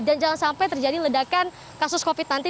dan jangan sampai terjadi ledakan kasus covid nanti